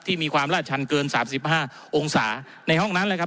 มีความลาดชันเกิน๓๕องศาในห้องนั้นเลยครับ